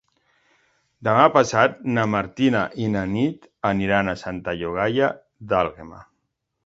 Demà passat na Martina i na Nit aniran a Santa Llogaia d'Àlguema.